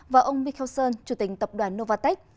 và ông mikhail sơn chủ tịch tập đoàn novartek